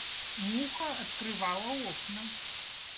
Муха открывала окна.